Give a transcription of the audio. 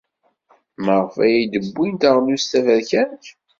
Maɣef ay d-wwin taɣlust taberkant?